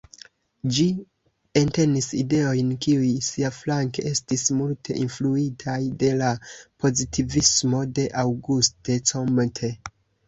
Ĝi entenis ideojn, kiuj siaflanke estis multe influitaj de la pozitivismo de Auguste Comte.